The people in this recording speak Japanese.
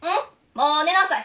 「もう寝なさい！」